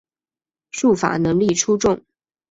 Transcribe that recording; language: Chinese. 术法能力出众。